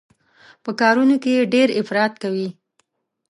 په کارونو کې يې ډېر افراط کوي.